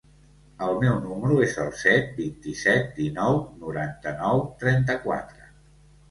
El meu número es el set, vint-i-set, dinou, noranta-nou, trenta-quatre.